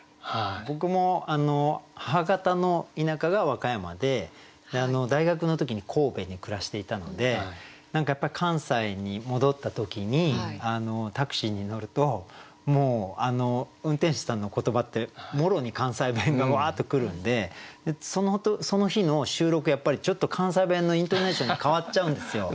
僕も母方の田舎が和歌山で大学の時に神戸に暮らしていたのでやっぱり関西に戻った時にタクシーに乗るともう運転手さんの言葉ってもろに関西弁がわあっと来るんでその日の収録やっぱりちょっと関西弁のイントネーションに変わっちゃうんですよ。